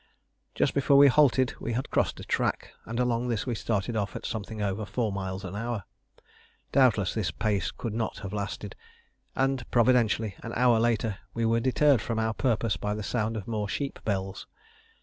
Just before we halted we had crossed a track, and along this we started off at something over four miles an hour. Doubtless this pace could not have lasted, and providentially, an hour later, we were deterred from our purpose by the sound of more sheep bells.